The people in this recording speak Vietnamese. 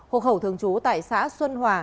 hộ khẩu thường trú tại xã xuân hòa